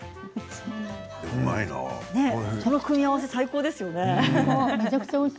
この組み合わせ最高ですよね。